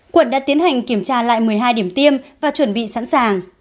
quận đã tiến hành kiểm tra lại một mươi hai điểm tiêm và chuẩn bị sẵn sàng